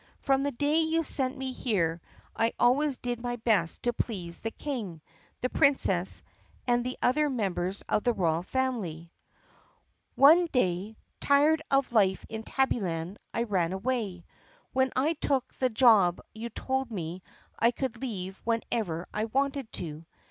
From the day you sent me here I always did my best to please the King, the Princess, and the other members of the royal family. One 102 THE PUSSYCAT PRINCESS day, tired of life in Tabbyland, I ran away. When I took the job you told me I could leave whenever I wanted to.